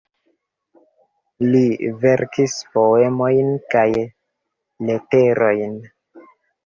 Li verkis poemojn kaj leterojn.